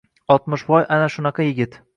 Oltmishvoy ana shunaqa yigit!